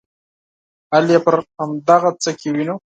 حل یې پر همدغه څه کې وینو.